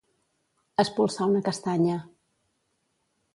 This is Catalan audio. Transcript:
Espolsar una castanya.